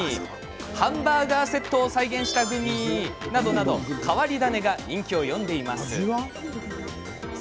ハンバーガーセットを再現したものなど変わり種グミが人気を呼んでいるんですって。